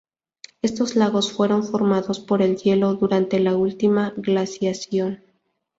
Estos lagos fueron formados por el hielo durante la última glaciación.